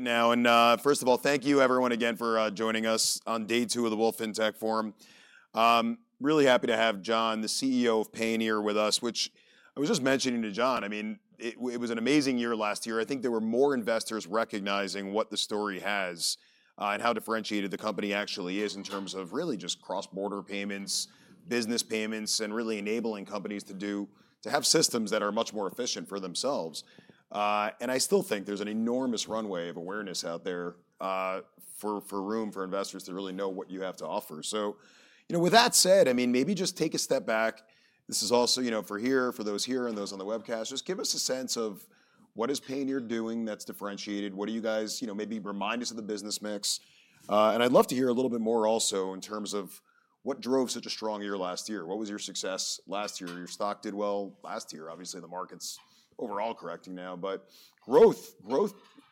Now, and first of all, thank you, everyone, again for joining us on day two of the Wolfe FinTech Forum. Really happy to have John, the CEO of Payoneer, with us, which I was just mentioning to John. I mean, it was an amazing year last year. I think there were more investors recognizing what the story has and how differentiated the company actually is in terms of really just cross-border payments, business payments, and really enabling companies to have systems that are much more efficient for themselves. I still think there's an enormous runway of awareness out there for room for investors to really know what you have to offer. You know, with that said, I mean, maybe just take a step back. This is also, you know, for here, for those here and those on the webcast, just give us a sense of what is Payoneer doing that's differentiated. What do you guys, you know, maybe remind us of the business mix. I'd love to hear a little bit more also in terms of what drove such a strong year last year. What was your success last year? Your stock did well last year. Obviously, the market's overall correcting now, but growth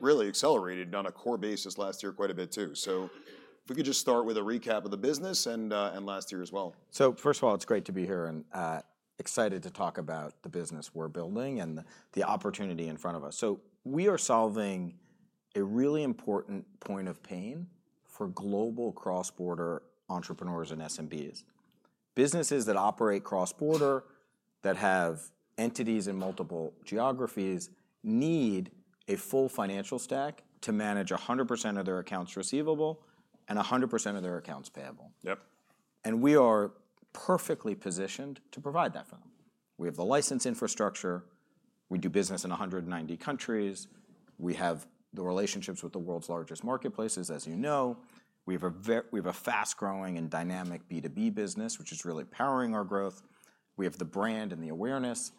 really accelerated on a core basis last year quite a bit too. If we could just start with a recap of the business and last year as well. First of all, it's great to be here and excited to talk about the business we're building and the opportunity in front of us. We are solving a really important point of pain for global cross-border entrepreneurs and SMBs. Businesses that operate cross-border that have entities in multiple geographies need a full financial stack to manage 100% of their accounts receivable and 100% of their accounts payable. Yep. We are perfectly positioned to provide that for them. We have the license infrastructure. We do business in 190 countries. We have the relationships with the world's largest marketplaces, as you know. We have a fast-growing and dynamic B2B business, which is really powering our growth. We have the brand and the awareness.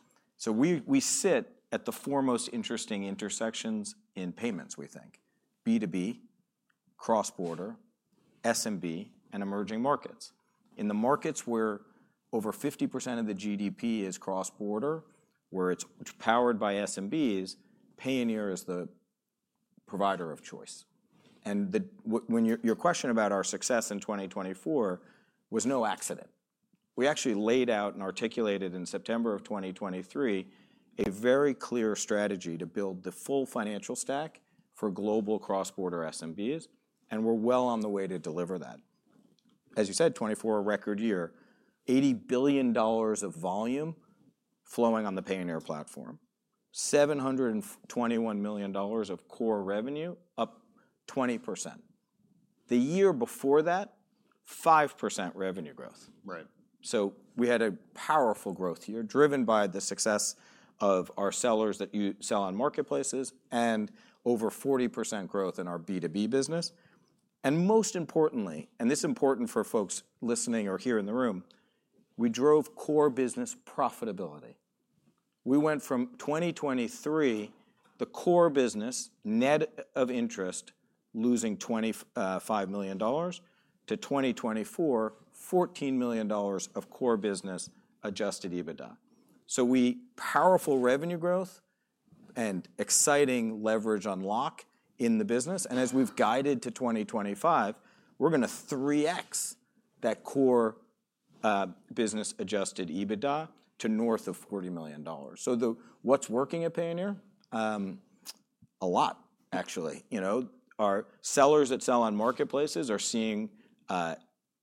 We sit at the foremost interesting intersections in payments, we think, B2B, cross-border, SMB, and emerging markets. In the markets where over 50% of the GDP is cross-border, where it is powered by SMBs, Payoneer is the provider of choice. Your about our success in 2024 was no accident. We actually laid out and articulated in September of 2023 a very clear strategy to build the full financial stack for global cross-border SMBs, and we are well on the way to deliver that. As you said, 2024, a record year, $80 billion of volume flowing on the Payoneer Platform, $721 million of core revenue, up 20%. The year before that, 5% revenue growth. Right. We had a powerful growth year driven by the success of our sellers that sell on marketplaces and over 40% growth in our B2B business. Most importantly, and this is important for folks listening or here in the room, we drove core business profitability. We went from 2023, the core business net of interest losing $25 million to 2024, $14 million of core business adjusted EBITDA. We had powerful revenue growth and exciting leverage unlock in the business. As we've guided to 2025, we're going to 3x that core business adjusted EBITDA to north of $40 million. What's working at Payoneer? A lot, actually. You know, our sellers that sell on marketplaces are seeing,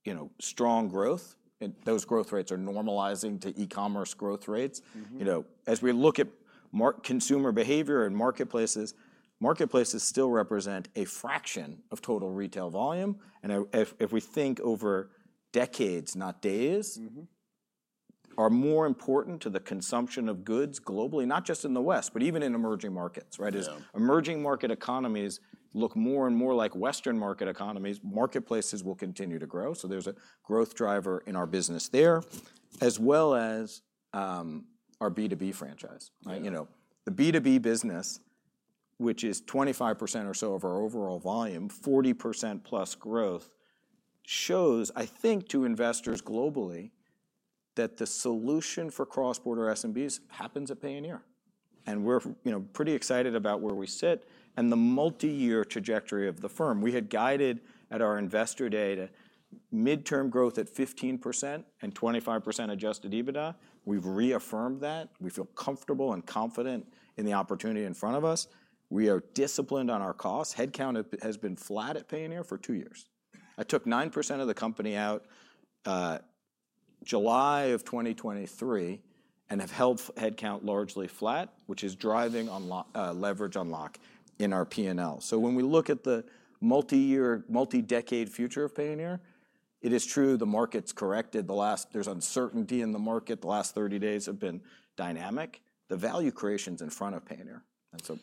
you know, strong growth. Those growth rates are normalizing to e-commerce growth rates. You know, as we look at consumer behavior in marketplaces, marketplaces still represent a fraction of total retail volume. If we think over decades, not days, are more important to the consumption of goods globally, not just in the West, but even in emerging markets, right? Yeah. As emerging market economies look more and more like Western market economies, marketplaces will continue to grow. There is a growth driver in our business there, as well as our B2B franchise. Right. You know, the B2B business, which is 25% or so of our overall volume, 40% plus growth shows, I think, to investors globally that the solution for cross-border SMBs happens at Payoneer. And we're, you know, pretty excited about where we sit and the multi-year trajectory of the firm. We had guided at our investor day to midterm growth at 15% and 25% adjusted EBITDA. We've reaffirmed that. We feel comfortable and confident in the opportunity in front of us. We are disciplined on our costs. Headcount has been flat at Payoneer for two years. I took 9% of the company out July of 2023 and have held headcount largely flat, which is driving leverage unlock in our P&L. When we look at the multi-year, multi-decade future of Payoneer, it is true the market's corrected the last. There's uncertainty in the market. The last 30 days have been dynamic. The value creation's in front of Payoneer.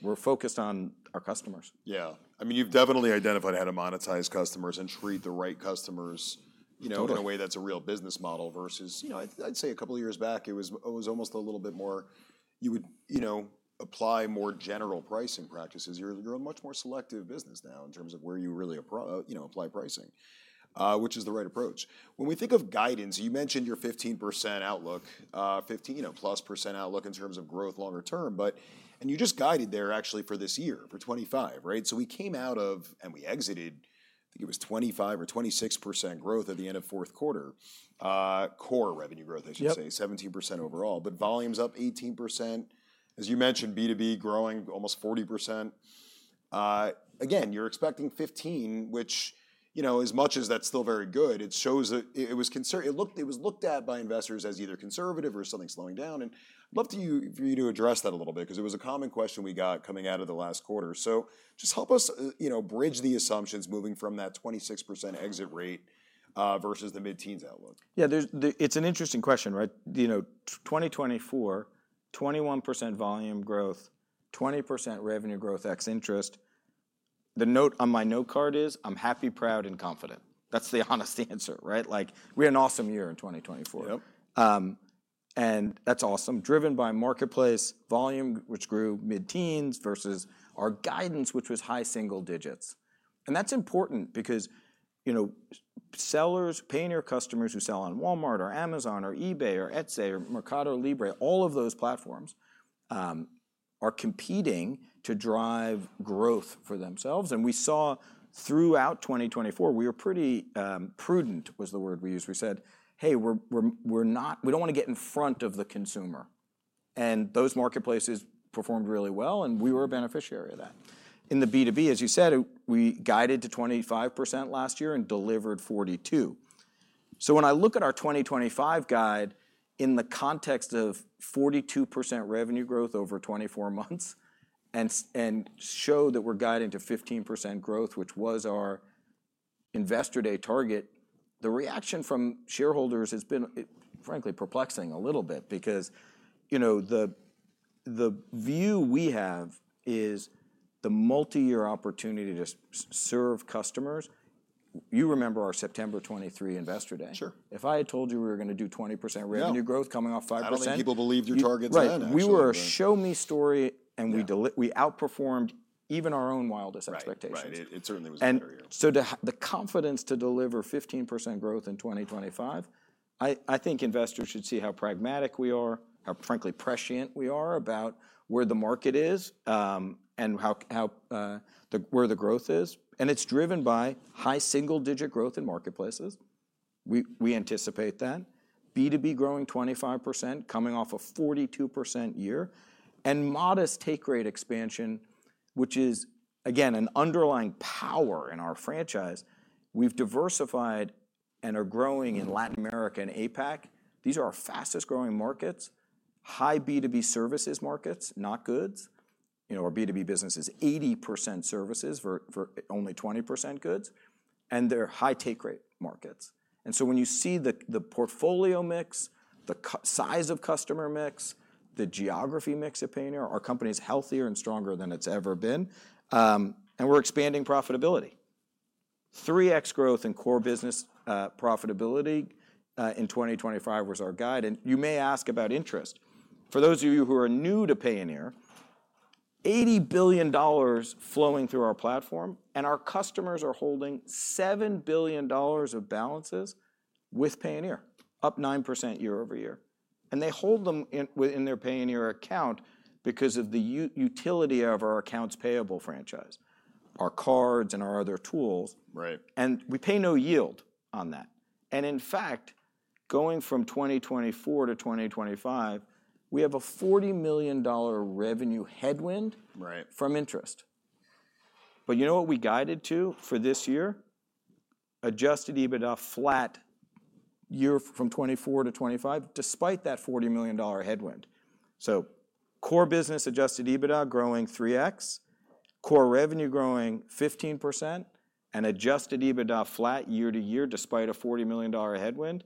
We're focused on our customers. Yeah. I mean, you've definitely identified how to monetize customers and treat the right customers, you know, in a way that's a real business model versus, you know, I'd say a couple of years back, it was almost a little bit more you would, you know, apply more general pricing practices. You're a much more selective business now in terms of where you really, you know, apply pricing, which is the right approach. When we think of guidance, you mentioned your 15% outlook, 15, you know, plus % outlook in terms of growth longer term, but, and you just guided there actually for this year, for 2025, right? We came out of, and we exited, I think it was 25% or 26% growth at the end of fourth quarter, core revenue growth, I should say, 17% overall, but volumes up 18%. As you mentioned, B2B growing almost 40%. Again, you're expecting 15, which, you know, as much as that's still very good, it shows that it was concerned. It was looked at by investors as either conservative or something slowing down. I'd love for you to address that a little bit because it was a common question we got coming out of the last quarter. Just help us, you know, bridge the assumptions moving from that 26% exit rate versus the mid-teens outlook. Yeah, it's an interesting question, right? You know, 2024, 21% volume growth, 20% revenue growth x interest. The note on my note card is, I'm happy, proud, and confident. That's the honest answer, right? Like, we had an awesome year in 2024. Yep. That's awesome. Driven by marketplace volume, which grew mid-teens versus our guidance, which was high single digits. That's important because, you know, sellers, Payoneer customers who sell on Walmart or Amazon or eBay or Etsy or Mercado Libre, all of those platforms are competing to drive growth for themselves. We saw throughout 2024, we were pretty prudent, was the word we used. We said, hey, we're not, we don't want to get in front of the consumer. Those marketplaces performed really well, and we were a beneficiary of that. In the B2B, as you said, we guided to 25% last year and delivered 42%. When I look at our 2025 guide in the context of 42% revenue growth over 24 months and show that we're guiding to 15% growth, which was our investor day target, the reaction from shareholders has been, frankly, perplexing a little bit because, you know, the view we have is the multi-year opportunity to serve customers. You remember our September 2023 investor day? Sure. If I had told you we were going to do 20% revenue growth coming off 5%. I think people believed your targets then. Right. We were a show me story, and we outperformed even our own wildest expectations. Right. Right. It certainly was a barrier. The confidence to deliver 15% growth in 2025, I think investors should see how pragmatic we are, how frankly prescient we are about where the market is and where the growth is. It is driven by high single-digit growth in marketplaces. We anticipate that. B2B growing 25% coming off a 42% year and modest take rate expansion, which is, again, an underlying power in our franchise. We have diversified and are growing in Latin America and APAC. These are our fastest growing markets, high B2B services markets, not goods, you know, our B2B business is 80% services for only 20% goods, and they are high take rate markets. When you see the portfolio mix, the size of customer mix, the geography mix at Payoneer, our company is healthier and stronger than it has ever been. We are expanding profitability. 3x growth in core business profitability in 2025 was our guide. You may ask about interest. For those of you who are new to Payoneer, $80 billion flowing through our platform, and our customers are holding $7 billion of balances with Payoneer, up 9% year over year. They hold them in their Payoneer account because of the utility of our accounts payable franchise, our cards, and our other tools. Right. We pay no yield on that. In fact, going from 2024 to 2025, we have a $40 million revenue headwind from interest. You know what we guided to for this year? Adjusted EBITDA flat year from 2024 to 2025, despite that $40 million headwind. Core business adjusted EBITDA growing 3x, core revenue growing 15%, and adjusted EBITDA flat year to year despite a $40 million headwind.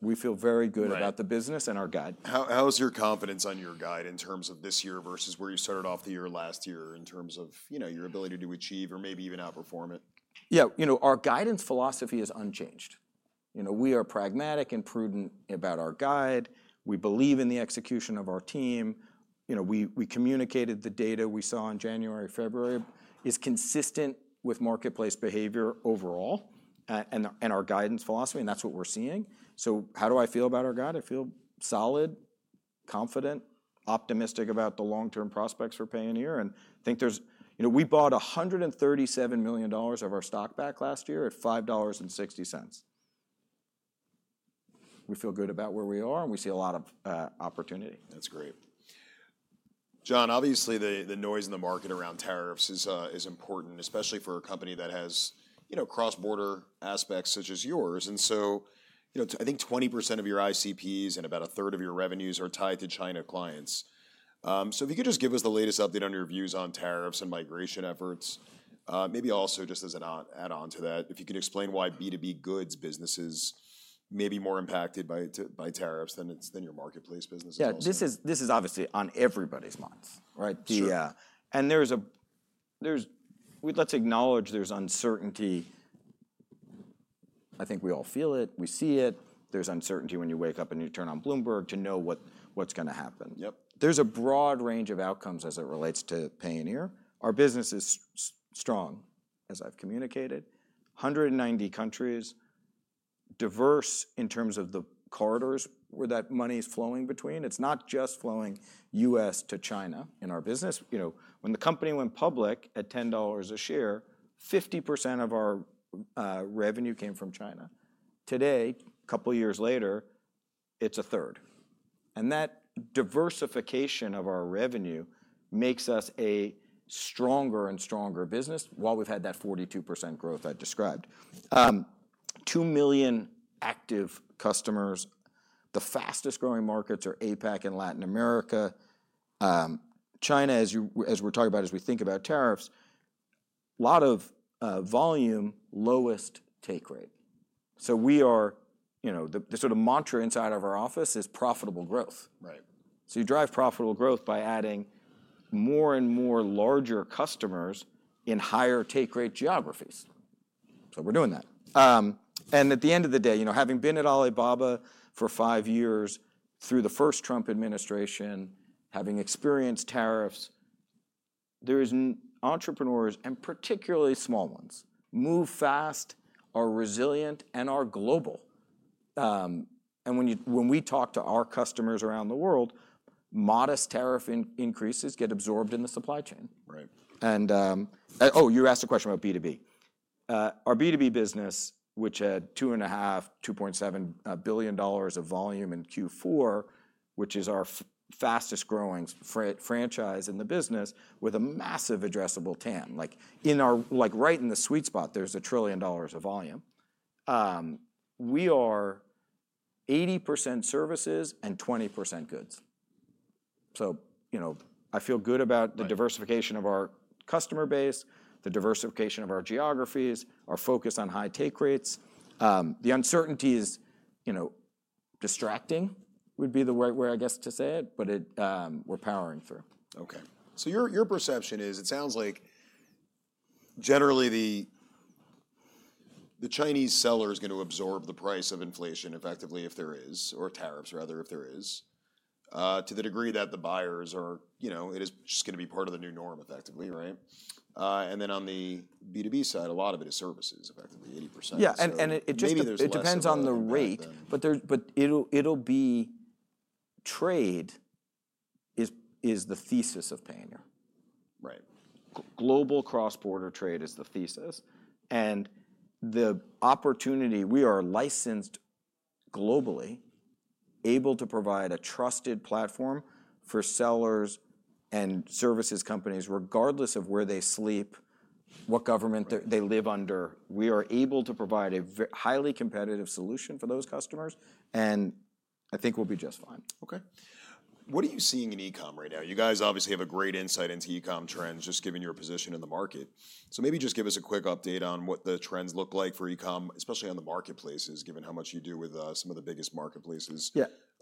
We feel very good about the business and our guide. How is your confidence on your guide in terms of this year versus where you started off the year last year in terms of, you know, your ability to achieve or maybe even outperform it? Yeah, you know, our guidance philosophy is unchanged. You know, we are pragmatic and prudent about our guide. We believe in the execution of our team. You know, we communicated the data we saw in January, February is consistent with marketplace behavior overall and our guidance philosophy, and that's what we're seeing. How do I feel about our guide? I feel solid, confident, optimistic about the long-term prospects for Payoneer. I think there's, you know, we bought $137 million of our stock back last year at $5.60. We feel good about where we are, and we see a lot of opportunity. That's great. John, obviously the noise in the market around tariffs is important, especially for a company that has, you know, cross-border aspects such as yours. You know, I think 20% of your ICPs and about a third of your revenues are tied to China clients. If you could just give us the latest update on your views on tariffs and migration efforts, maybe also just as an add-on to that, if you could explain why B2B goods businesses may be more impacted by tariffs than your marketplace businesses. Yeah, this is obviously on everybody's minds, right? Sure. There is, let's acknowledge there's uncertainty. I think we all feel it. We see it. There's uncertainty when you wake up and you turn on Bloomberg to know what's going to happen. Yep. There's a broad range of outcomes as it relates to Payoneer. Our business is strong, as I've communicated, 190 countries, diverse in terms of the corridors where that money is flowing between. It's not just flowing US to China in our business. You know, when the company went public at $10 a share, 50% of our revenue came from China. Today, a couple of years later, it's a third. And that diversification of our revenue makes us a stronger and stronger business while we've had that 42% growth I described. 2 million active customers. The fastest growing markets are APAC and Latin America. China, as we're talking about, as we think about tariffs, a lot of volume, lowest take rate. So we are, you know, the sort of mantra inside of our office is profitable growth. Right. You drive profitable growth by adding more and more larger customers in higher take rate geographies. We are doing that. At the end of the day, you know, having been at Alibaba for five years through the first Trump administration, having experienced tariffs, there are entrepreneurs, and particularly small ones, who move fast, are resilient, and are global. When we talk to our customers around the world, modest tariff increases get absorbed in the supply chain. Right. Oh, you asked a question about B2B. Our B2B business, which had $2.5-$2.7 billion of volume in Q4, which is our fastest growing franchise in the business with a massive addressable TAM, like in our, like right in the sweet spot, there is a trillion dollars of volume. We are 80% services and 20% goods. You know, I feel good about the diversification of our customer base, the diversification of our geographies, our focus on high take rates. The uncertainty is, you know, distracting would be the right way, I guess, to say it, but we are powering through. Okay. Your perception is, it sounds like generally the Chinese seller is going to absorb the price of inflation effectively if there is, or tariffs rather, if there is, to the degree that the buyers are, you know, it is just going to be part of the new norm effectively, right? On the B2B side, a lot of it is services effectively, 80%. Yeah. It just depends on the rate, but trade is the thesis of Payoneer. Right. Global cross-border trade is the thesis. The opportunity, we are licensed globally, able to provide a trusted platform for sellers and services companies, regardless of where they sleep, what government they live under. We are able to provide a highly competitive solution for those customers, and I think we'll be just fine. Okay. What are you seeing in e-com right now? You guys obviously have a great insight into e-com trends, just given your position in the market. Maybe just give us a quick update on what the trends look like for e-com, especially on the marketplaces, given how much you do with some of the biggest marketplaces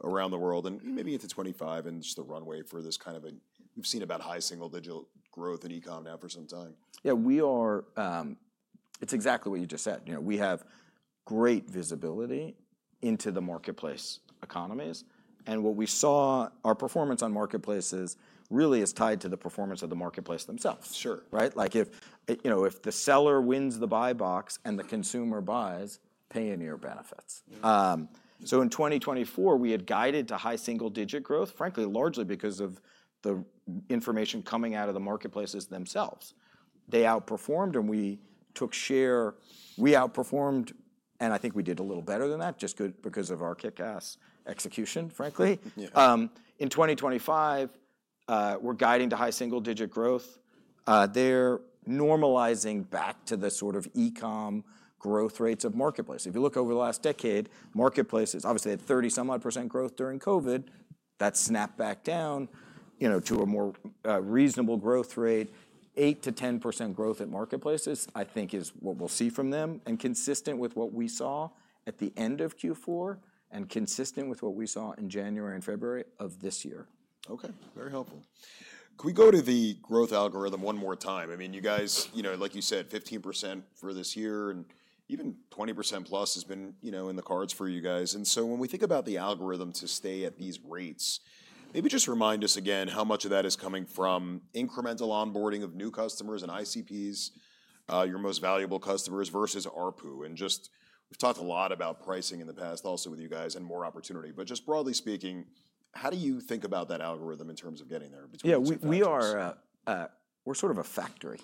around the world, and maybe into 2025 and just the runway for this kind of a, we've seen about high single digit growth in e-com now for some time. Yeah, we are, it's exactly what you just said. You know, we have great visibility into the marketplace economies. And what we saw, our performance on marketplaces really is tied to the performance of the marketplaces themselves. Sure. Right? Like if, you know, if the seller wins the buy box and the consumer buys, Payoneer benefits. In 2024, we had guided to high single digit growth, frankly, largely because of the information coming out of the marketplaces themselves. They outperformed, and we took share, we outperformed, and I think we did a little better than that just because of our kick-ass execution, frankly. In 2025, we are guiding to high single digit growth. They are normalizing back to the sort of e-com growth rates of marketplaces. If you look over the last decade, marketplaces obviously had 30 some odd % growth during COVID. That snapped back down, you know, to a more reasonable growth rate. 8%-10% growth at marketplaces, I think, is what we'll see from them and consistent with what we saw at the end of Q4 and consistent with what we saw in January and February of this year. Okay. Very helpful. Can we go to the growth algorithm one more time? I mean, you guys, you know, like you said, 15% for this year and even 20% plus has been, you know, in the cards for you guys. When we think about the algorithm to stay at these rates, maybe just remind us again how much of that is coming from incremental onboarding of new customers and ICPs, your most valuable customers, versus ARPU. We have talked a lot about pricing in the past also with you guys and more opportunity. Just broadly speaking, how do you think about that algorithm in terms of getting there between the two? Yeah, we are, we're sort of a factory.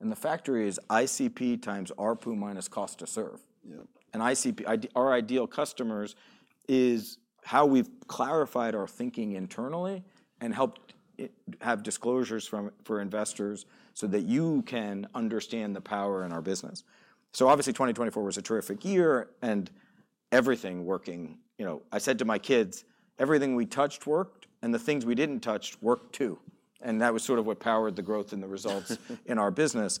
The factory is ICP times ARPU minus cost to serve. Yeah. ICP, our ideal customers, is how we've clarified our thinking internally and helped have disclosures for investors so that you can understand the power in our business. Obviously, 2024 was a terrific year and everything working, you know, I said to my kids, everything we touched worked and the things we didn't touch worked too. That was sort of what powered the growth and the results in our business.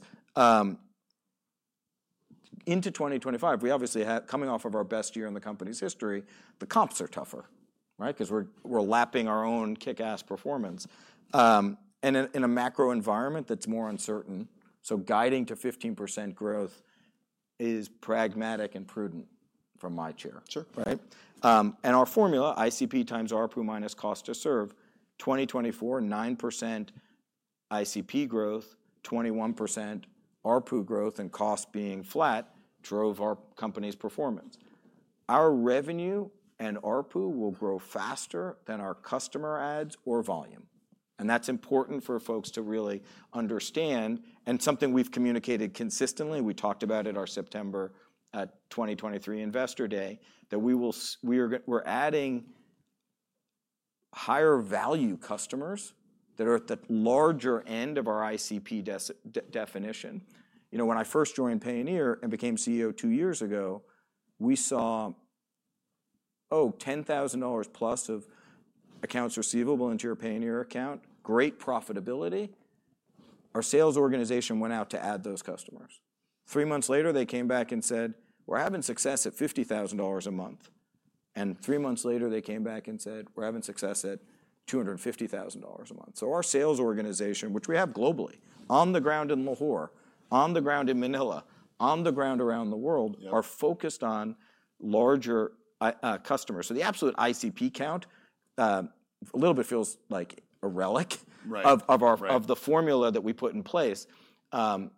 Into 2025, we obviously have, coming off of our best year in the company's history, the comps are tougher, right? Because we're lapping our own kick-ass performance. In a macro environment that's more uncertain, guiding to 15% growth is pragmatic and prudent from my chair. Sure. Right? Our formula, ICP times ARPU minus cost to serve, 2024, 9% ICP growth, 21% ARPU growth, and cost being flat drove our company's performance. Our revenue and ARPU will grow faster than our customer ads or volume. That is important for folks to really understand and something we've communicated consistently. We talked about it at our September 2023 Investor Day that we will, we're adding higher value customers that are at the larger end of our ICP definition. You know, when I first joined Payoneer and became CEO two years ago, we saw, oh, $10,000 plus of accounts receivable into your Payoneer account, great profitability. Our sales organization went out to add those customers. Three months later, they came back and said, we're having success at $50,000 a month. Three months later, they came back and said, we're having success at $250,000 a month. Our sales organization, which we have globally, on the ground in Lahore, on the ground in Manila, on the ground around the world, are focused on larger customers. The absolute ICP count, a little bit feels like a relic of the formula that we put in place. When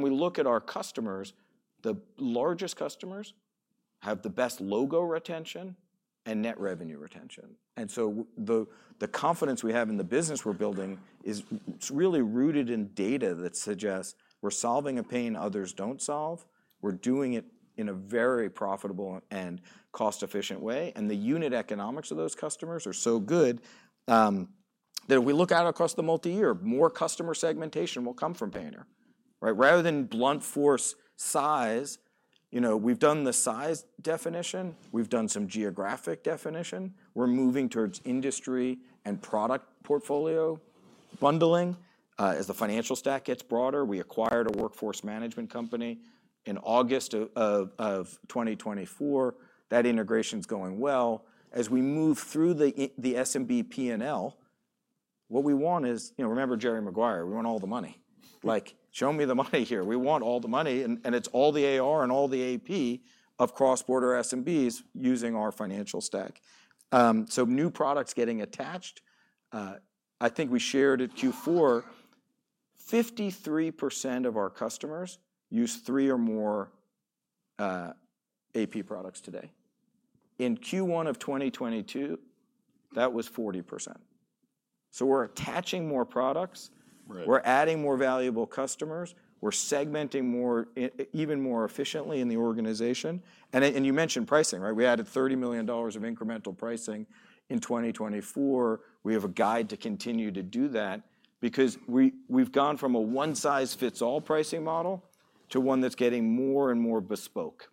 we look at our customers, the largest customers have the best logo retention and net revenue retention. The confidence we have in the business we're building is really rooted in data that suggests we're solving a pain others don't solve. We're doing it in a very profitable and cost-efficient way. The unit economics of those customers are so good that if we look out across the multi-year, more customer segmentation will come from Payoneer, right? Rather than blunt force size, you know, we've done the size definition. We've done some geographic definition. We're moving towards industry and product portfolio bundling. As the financial stack gets broader, we acquired a workforce management company in August of 2024. That integration's going well. As we move through the SMB P&L, what we want is, you know, remember Jerry Maguire, we want all the money. Like, show me the money here. We want all the money. And it's all the AR and all the AP of cross-border SMBs using our financial stack. New products getting attached. I think we shared at Q4, 53% of our customers use three or more AP products today. In Q1 of 2022, that was 40%. We're attaching more products. We're adding more valuable customers. We're segmenting more even more efficiently in the organization. You mentioned pricing, right? We added $30 million of incremental pricing in 2024. We have a guide to continue to do that because we've gone from a one-size-fits-all pricing model to one that's getting more and more bespoke.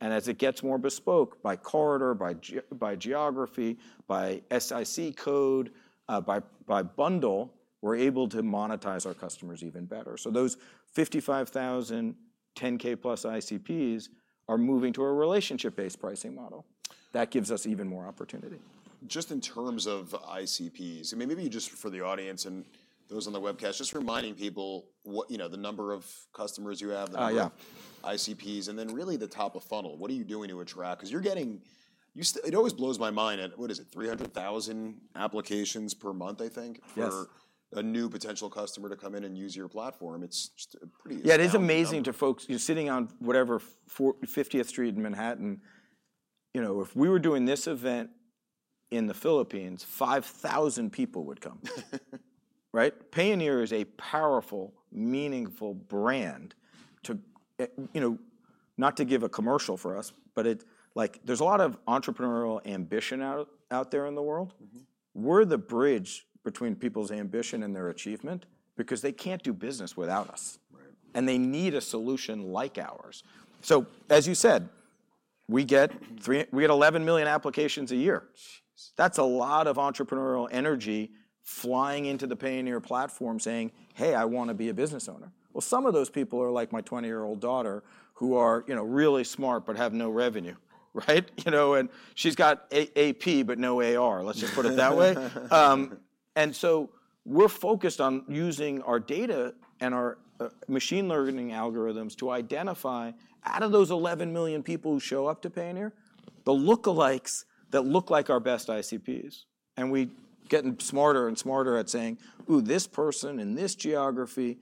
As it gets more bespoke by corridor, by geography, by SIC code, by bundle, we're able to monetize our customers even better. Those 55,000 10K plus ICPs are moving to a relationship-based pricing model. That gives us even more opportunity. Just in terms of ICPs, I mean, maybe just for the audience and those on the webcast, just reminding people, you know, the number of customers you have, the number of ICPs, and then really the top of funnel, what are you doing to attract? Because you're getting, it always blows my mind at, what is it, 300,000 applications per month, I think, for a new potential customer to come in and use your platform. It's just pretty incredible. Yeah, it is amazing to folks sitting on whatever 50th Street in Manhattan. You know, if we were doing this event in the Philippines, 5,000 people would come, right? Payoneer is a powerful, meaningful brand to, you know, not to give a commercial for us, but it's like there's a lot of entrepreneurial ambition out there in the world. We're the bridge between people's ambition and their achievement because they can't do business without us. They need a solution like ours. As you said, we get 11 million applications a year. That's a lot of entrepreneurial energy flying into the Payoneer platform saying, hey, I want to be a business owner. Some of those people are like my 20-year-old daughter who are, you know, really smart, but have no revenue, right? You know, and she's got AP but no AR, let's just put it that way. We're focused on using our data and our machine learning algorithms to identify out of those 11 million people who show up to Payoneer, the lookalikes that look like our best ICPs. We're getting smarter and smarter at saying, ooh, this person in this geography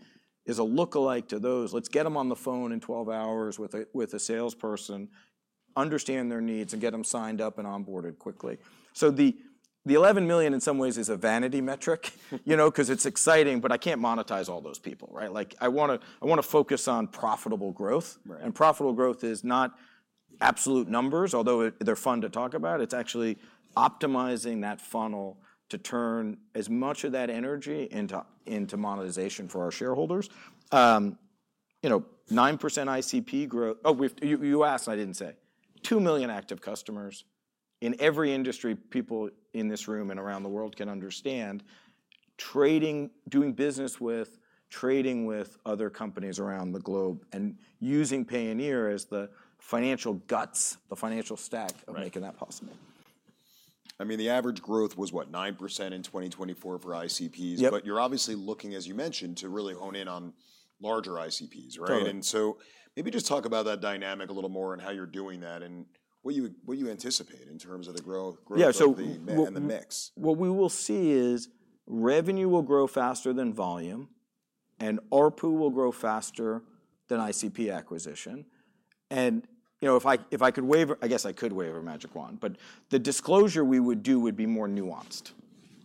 is a lookalike to those. Let's get them on the phone in 12 hours with a salesperson, understand their needs, and get them signed up and onboarded quickly. The 11 million in some ways is a vanity metric, you know, because it's exciting, but I can't monetize all those people, right? Like I want to focus on profitable growth. Profitable growth is not absolute numbers, although they're fun to talk about. It's actually optimizing that funnel to turn as much of that energy into monetization for our shareholders. You know, 9% ICP growth. Oh, you asked and I didn't say. 2 million active customers in every industry, people in this room and around the world can understand trading, doing business with, trading with other companies around the globe and using Payoneer as the financial guts, the financial stack of making that possible. I mean, the average growth was what, 9% in 2024 for ICPs? You are obviously looking, as you mentioned, to really hone in on larger ICPs, right? Maybe just talk about that dynamic a little more and how you are doing that and what you anticipate in terms of the growth and the mix. What we will see is revenue will grow faster than volume and ARPU will grow faster than ICP acquisition. You know, if I could waver, I guess I could wave a magic wand, but the disclosure we would do would be more nuanced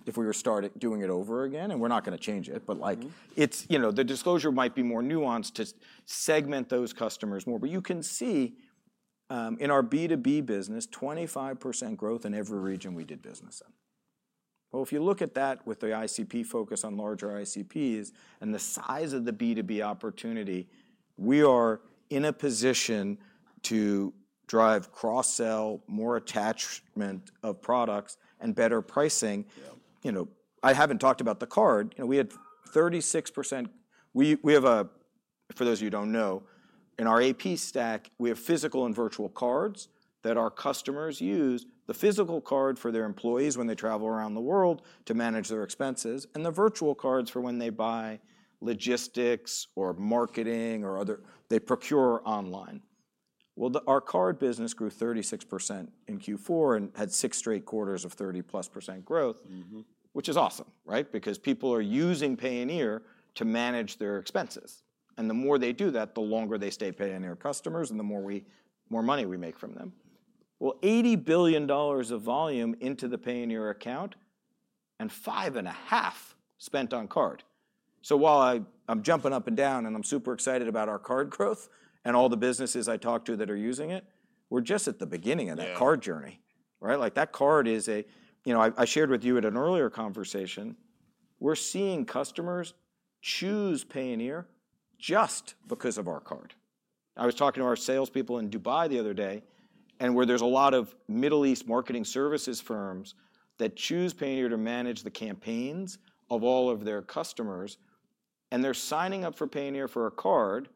if we were starting doing it over again. We're not going to change it, but like, you know, the disclosure might be more nuanced to segment those customers more. You can see in our B2B business, 25% growth in every region we did business in. If you look at that with the ICP focus on larger ICPs and the size of the B2B opportunity, we are in a position to drive cross-sell, more attachment of products and better pricing. You know, I haven't talked about the card. You know, we had 36%. We have a, for those of you who don't know, in our AP stack, we have physical and virtual cards that our customers use, the physical card for their employees when they travel around the world to manage their expenses and the virtual cards for when they buy logistics or marketing or other, they procure online. Our card business grew 36% in Q4 and had six straight quarters of 30+% growth, which is awesome, right? Because people are using Payoneer to manage their expenses. The more they do that, the longer they stay Payoneer customers and the more money we make from them. $80 billion of volume into the Payoneer account and $5.5 billion spent on card. While I'm jumping up and down and I'm super excited about our card growth and all the businesses I talk to that are using it, we're just at the beginning of that card journey, right? Like that card is a, you know, I shared with you at an earlier conversation, we're seeing customers choose Payoneer just because of our card. I was talking to our salespeople in Dubai the other day where there's a lot of Middle East marketing services firms that choose Payoneer to manage the campaigns of all of their customers. They're signing up for Payoneer for a card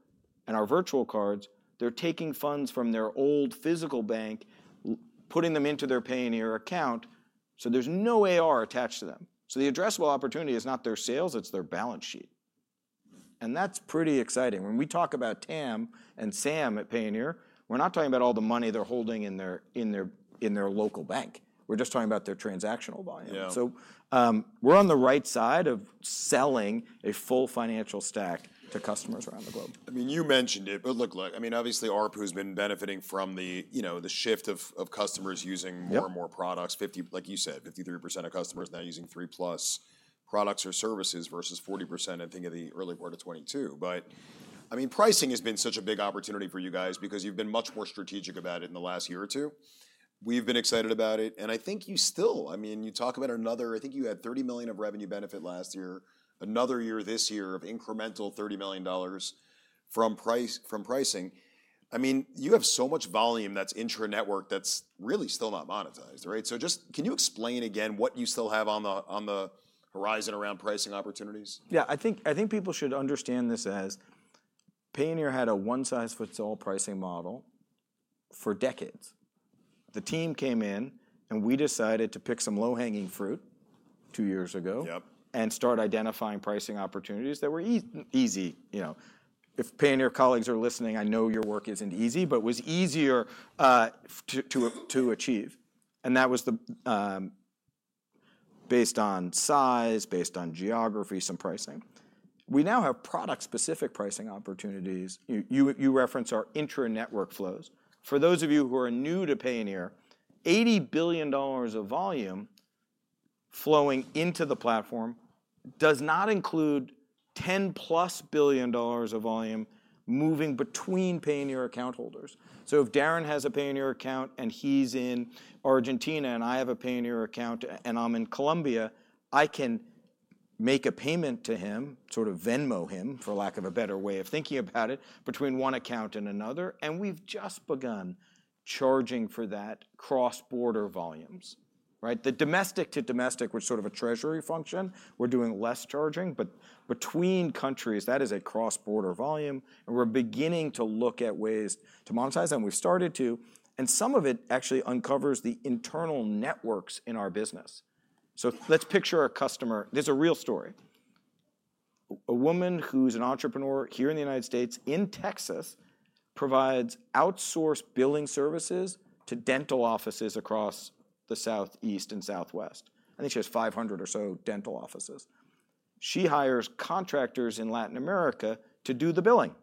and our virtual cards, they're taking funds from their old physical bank, putting them into their Payoneer account. There's no AR attached to them. The addressable opportunity is not their sales, it's their balance sheet. That's pretty exciting. When we talk about TAM and SAM at Payoneer, we're not talking about all the money they're holding in their local bank. We're just talking about their transactional volume. We're on the right side of selling a full financial stack to customers around the globe. I mean, you mentioned it, but look, I mean, obviously ARPU has been benefiting from the, you know, the shift of customers using more and more products. Like you said, 53% of customers now using three plus products or services versus 40%, I think in the early part of 2022. I mean, pricing has been such a big opportunity for you guys because you've been much more strategic about it in the last year or two. We've been excited about it. I think you still, I mean, you talk about another, I think you had $30 million of revenue benefit last year, another year this year of incremental $30 million from pricing. I mean, you have so much volume that's intranetwork that's really still not monetized, right? Just can you explain again what you still have on the horizon around pricing opportunities? Yeah, I think people should understand this as Payoneer had a one-size-fits-all pricing model for decades. The team came in and we decided to pick some low-hanging fruit two years ago and start identifying pricing opportunities that were easy. You know, if Payoneer colleagues are listening, I know your work isn't easy, but it was easier to achieve. That was based on size, based on geography, some pricing. We now have product-specific pricing opportunities. You referenced our intranetwork flows. For those of you who are new to Payoneer, $80 billion of volume flowing into the platform does not include $10 billion-plus of volume moving between Payoneer account holders. If Darren has a Payoneer account and he's in Argentina and I have a Payoneer account and I'm in Colombia, I can make a payment to him, sort of Venmo him, for lack of a better way of thinking about it, between one account and another. We've just begun charging for that cross-border volumes, right? The domestic to domestic was sort of a treasury function. We're doing less charging, but between countries, that is a cross-border volume. We're beginning to look at ways to monetize and we've started to. Some of it actually uncovers the internal networks in our business. Let's picture a customer. There's a real story. A woman who's an entrepreneur here in the United States in Texas provides outsourced billing services to dental offices across the Southeast and Southwest. I think she has 500 or so dental offices. She hires contractors in Latin America to do the billing.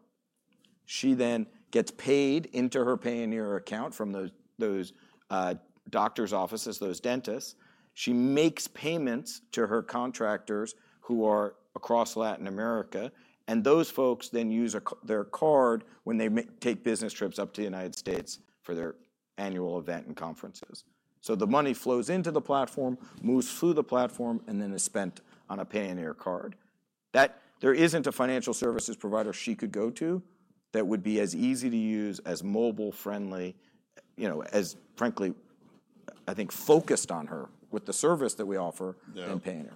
She then gets paid into her Payoneer account from those doctor's offices, those dentists. She makes payments to her contractors who are across Latin America. Those folks then use their card when they take business trips up to the United States for their annual event and conferences. The money flows into the platform, moves through the platform, and then is spent on a Payoneer card. There isn't a financial services provider she could go to that would be as easy to use, as mobile-friendly, you know, as frankly, I think focused on her with the service that we offer in Payoneer.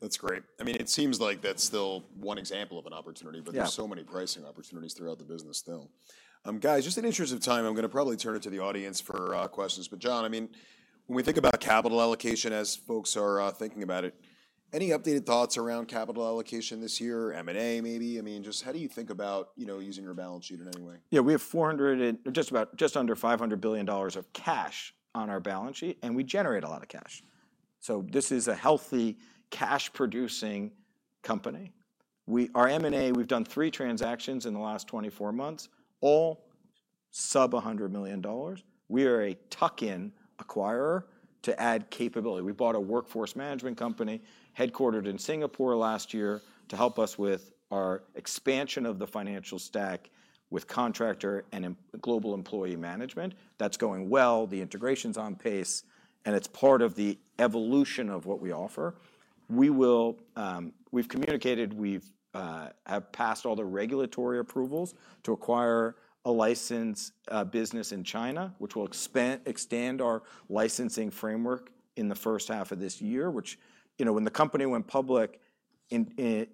That's great. I mean, it seems like that's still one example of an opportunity, but there's so many pricing opportunities throughout the business still. Guys, just in interest of time, I'm going to probably turn it to the audience for questions. John, I mean, when we think about capital allocation as folks are thinking about it, any updated thoughts around capital allocation this year, M&A maybe? I mean, just how do you think about, you know, using your balance sheet in any way? Yeah, we have just under $500 million of cash on our balance sheet, and we generate a lot of cash. This is a healthy cash-producing company. Our M&A, we've done three transactions in the last 24 months, all sub $100 million. We are a tuck-in acquirer to add capability. We bought a workforce management company headquartered in Singapore last year to help us with our expansion of the financial stack with contractor and global employee management. That's going well. The integration's on pace, and it's part of the evolution of what we offer. We've communicated, we have passed all the regulatory approvals to acquire a licensed business in China, which will expand our licensing framework in the first half of this year, which, you know, when the company went public a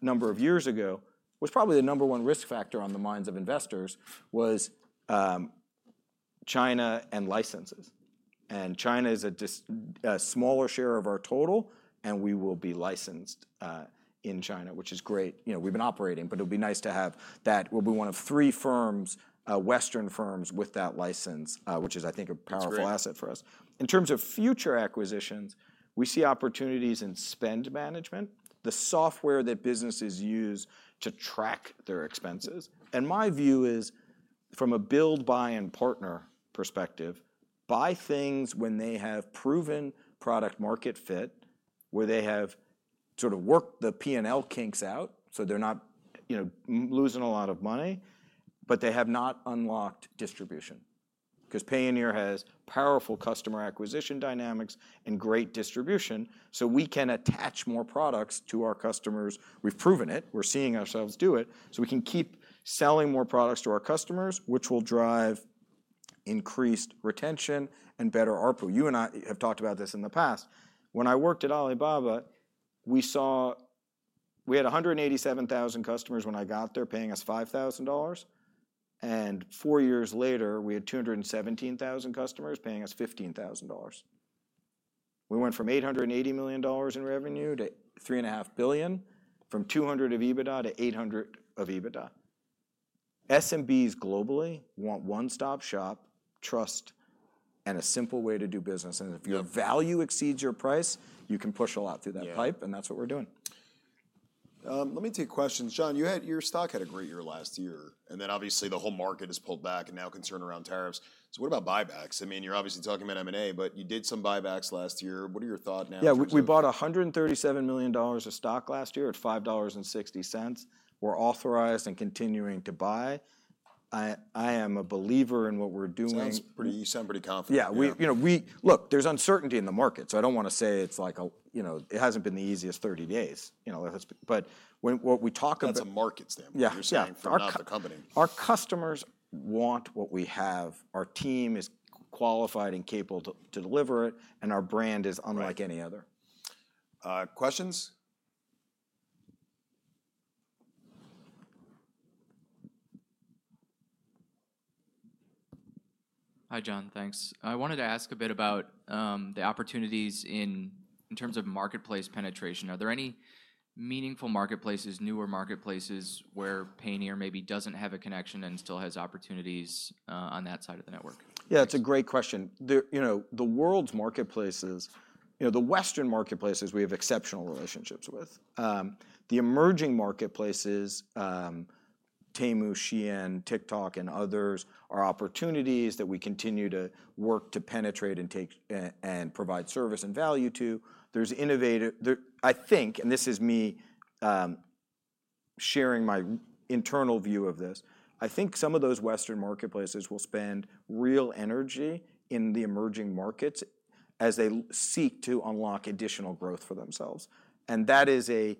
number of years ago, was probably the number one risk factor on the minds of investors was China and licenses. China is a smaller share of our total, and we will be licensed in China, which is great. You know, we've been operating, but it'll be nice to have that. We'll be one of three firms, Western firms with that license, which is, I think, a powerful asset for us. In terms of future acquisitions, we see opportunities in spend management, the software that businesses use to track their expenses. My view is from a build, buy, and partner perspective, buy things when they have proven product-market fit, where they have sort of worked the P&L kinks out so they're not, you know, losing a lot of money, but they have not unlocked distribution. Because Payoneer has powerful customer acquisition dynamics and great distribution, we can attach more products to our customers. We've proven it. We're seeing ourselves do it. We can keep selling more products to our customers, which will drive increased retention and better ARPU. You and I have talked about this in the past. When I worked at Alibaba, we saw we had 187,000 customers when I got there paying us $5,000. Four years later, we had 217,000 customers paying us $15,000. We went from $880 million in revenue to $3.5 billion, from $200 million of EBITDA to $800 million of EBITDA. SMBs globally want one-stop shop trust and a simple way to do business. If your value exceeds your price, you can push a lot through that pipe. That is what we are doing. Let me take questions. John, your stock had a great year last year. Obviously the whole market has pulled back and now concern around tariffs. What about buybacks? I mean, you're obviously talking about M&A, but you did some buybacks last year. What are your thoughts now? Yeah, we bought $137 million of stock last year at $5.60. We're authorized and continuing to buy. I am a believer in what we're doing. You sound pretty confident. Yeah. You know, look, there's uncertainty in the market. I don't want to say it's like a, you know, it hasn't been the easiest 30 days. You know, but what we talk about. That's a market standpoint. You're saying from a company. Our customers want what we have. Our team is qualified and capable to deliver it. Our brand is unlike any other. Questions? Hi John, thanks. I wanted to ask a bit about the opportunities in terms of marketplace penetration. Are there any meaningful marketplaces, newer marketplaces where Payoneer maybe doesn't have a connection and still has opportunities on that side of the network? Yeah, it's a great question. You know, the world's marketplaces, you know, the Western marketplaces we have exceptional relationships with. The emerging marketplaces, Temu, Shein, TikTok, and others are opportunities that we continue to work to penetrate and take and provide service and value to. There's innovative, I think, and this is me sharing my internal view of this. I think some of those Western marketplaces will spend real energy in the emerging markets as they seek to unlock additional growth for themselves. That is a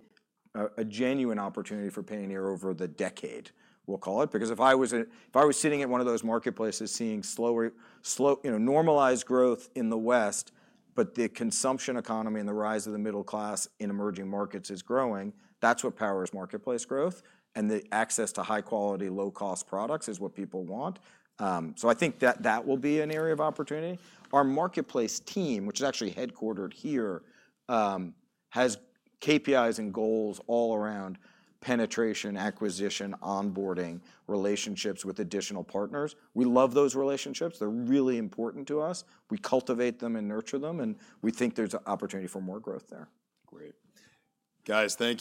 genuine opportunity for Payoneer over the decade, we'll call it. Because if I was sitting at one of those marketplaces seeing slow, you know, normalized growth in the West, but the consumption economy and the rise of the middle class in emerging markets is growing, that's what powers marketplace growth. The access to high-quality, low-cost products is what people want. I think that that will be an area of opportunity. Our marketplace team, which is actually headquartered here, has KPIs and goals all around penetration, acquisition, onboarding, relationships with additional partners. We love those relationships. They're really important to us. We cultivate them and nurture them. We think there's an opportunity for more growth there. Great. Guys, thank you.